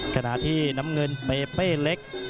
ขณะที่น้ำเงินเปเป้เล็ก